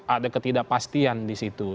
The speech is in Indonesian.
ada ketidakpastian di situ